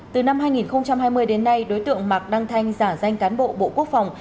từ năm hai nghìn hai mươi đến nay đối tượng mạc đăng thanh giả danh cán bộ bộ quốc phòng